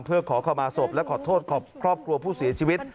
เพื่อขอเข้ามาศพและขอโทษครอบครัวผู้เสียชีวิต